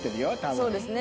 そうですね。